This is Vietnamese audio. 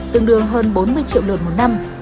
tương đương hơn bốn mươi triệu lượt một năm